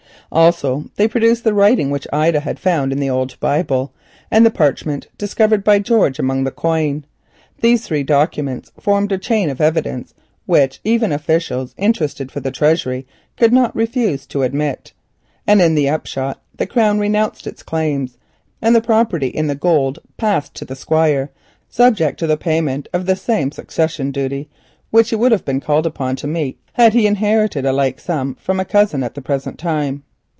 Also they produced the writing which Ida had found in the old Bible, and the parchment discovered by George among the coin. These three documents formed a chain of evidence which even officials interested for the Treasury could not refuse to admit, and in the upshot the Crown renounced its claims, and the property in the gold passed to the Squire, subject to the payment of the same succession duty which he would have been called upon to meet had he inherited a like sum from a cousin at the present time.